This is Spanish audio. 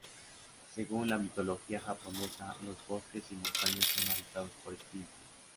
Según la mitología japonesa, los bosques y montañas son habitados por espíritus.